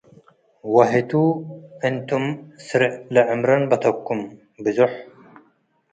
ወህቱ፤ - “እንቱም ስር ለዕምረን በተክኩ'ም፡ ብዞሕ